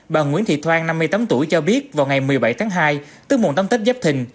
bà nguyễn thị thoan năm mươi tám tuổi cho biết vào ngày một mươi bảy tháng hai tức mùa tấm tết dắp thình